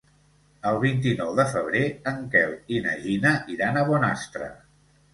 El vint-i-nou de febrer en Quel i na Gina iran a Bonastre.